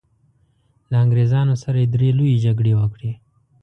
له انګریزانو سره یې درې لويې جګړې وکړې.